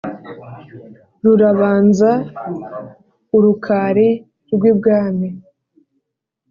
rurabanza u rukari rw'i bwami